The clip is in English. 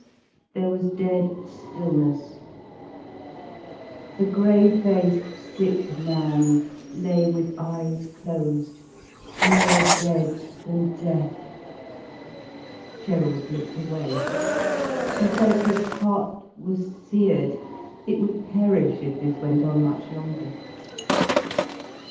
There was dead stillness. The grey faced, sick man lay with eyes closed, more dead than death. Gerald looked away. He felt his heart was seared, it would perish if this went on much longer.